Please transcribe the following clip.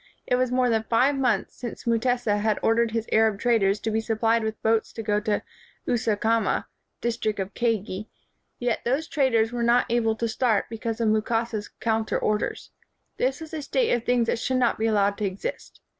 It was more than five months since Mutesa had or dered his Arab traders to be supplied with boats to go to Usukuma, [district of Kagei] yet those traders were not able to start be cause of Mukasa 's counter orders. This was a state of things that should not be al lowed to exist.